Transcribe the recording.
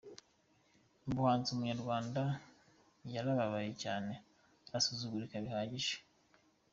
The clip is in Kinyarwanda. Mu buhunzi Umunyarwanda yarababaye cyane arasuzugurika bihagije.